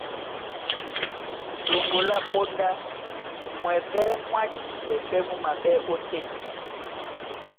Ɗoŋgo lá póndá, mwɛɓɛ́ mwá jipɛ pɛ́ mú maɓɛ́ ótên.